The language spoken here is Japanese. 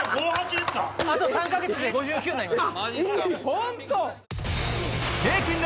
あと３か月で５９になります。